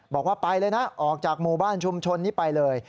บอกว่าไปเลยนะออกจากหมู่บ้านชุมชนนี้ไปเลย